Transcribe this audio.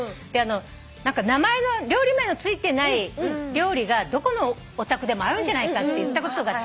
料理名の付いてない料理がどこのお宅でもあるんじゃないかって言ったことが。